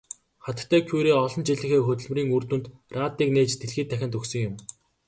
Хатагтай Кюре олон жилийнхээ хөдөлмөрийн үр дүнд радийг нээж дэлхий дахинд өгсөн юм.